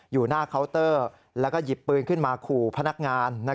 อยู่หน้าเคาน์เตอร์แล้วก็หยิบปืนขึ้นมาขู่พนักงาน